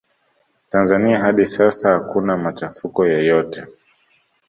tanzania hadi sasa hakuna machafuko yoyote